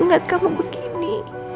ngeliat kamu begini